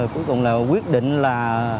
cuối cùng là quyết định là